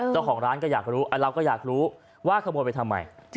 เจ้าของร้านก็อยากรู้เราก็อยากรู้ว่าขโมยไปทำไม